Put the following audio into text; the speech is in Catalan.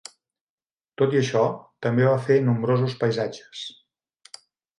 Tot i això també va fer nombrosos paisatges.